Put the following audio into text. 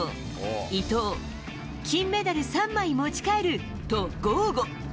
伊藤金メダル３枚持ち帰ると豪語。